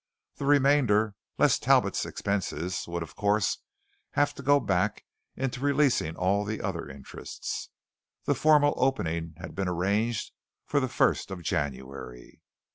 The remainder, less Talbot's expenses, would of course have to go back into releasing all the other interests. The formal opening had been arranged for the first of January.